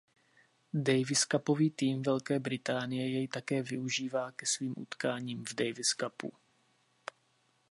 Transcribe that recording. Daviscupový tým Velké Británie jej také využívá ke svým utkáním v Davis Cupu.